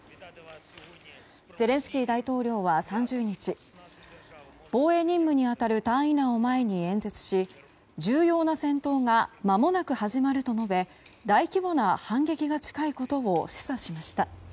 ゼレンスキー大統領は３０日防衛任務に当たる隊員らを前に演説し重要な戦闘がまもなく始まると述べ大規模な反撃が近いことを示唆しました。